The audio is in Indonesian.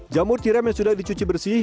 jamur tiram yang sudah dicuci bersih